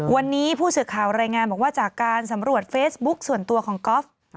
วันนี้ผู้สื่อข่าวรายงานบอกว่าจากการสำรวจเฟซบุ๊คส่วนตัวของก๊อฟ